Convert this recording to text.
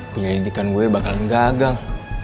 penyelidikan gue bakalan gagal